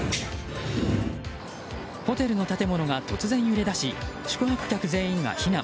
ホテルの建物が突然揺れだし宿泊客全員が避難。